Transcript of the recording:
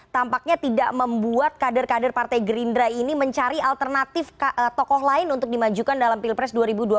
tampaknya tidak membuat kader kader partai gerindra ini mencari alternatif tokoh lain untuk dimajukan dalam pilpres dua ribu dua puluh